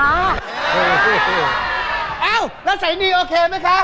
แล้วใส่นี่โอเคมั้ยคะ